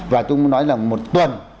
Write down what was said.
và tôi nói là một tuần